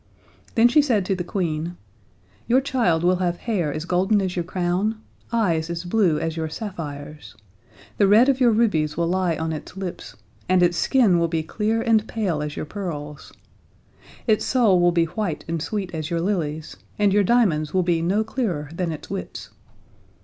Then she said to the Queen: "Your child will have hair as golden as your crown, eyes as blue as your sapphires. The red of your rubies will lie on its lips, and its skin will be clear and pale as your pearls. Its soul will be white and sweet as your lilies, and your diamonds will be no clearer than its wits."